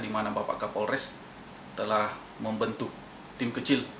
di mana bapak kapolres telah membentuk tim kecil